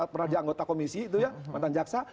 pernah jadi anggota komisi itu ya mantan jaksa